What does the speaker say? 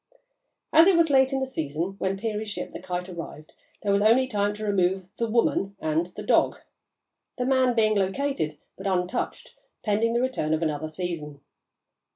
As it was late in the season when Peary's ship, the Kite, arrived, there was only time to remove the "woman" and the "dog," the "man" being located but untouched pending the return of another season.